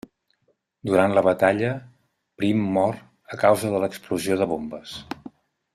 Durant la batalla, Prim mor a causa de l'explosió de bombes.